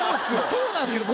そうなんですけど。